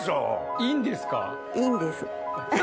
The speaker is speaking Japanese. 「いいんです」。